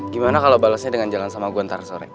gimana kalo balesnya dengan jalan sama gue ntar sore